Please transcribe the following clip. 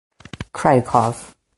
Kryukov.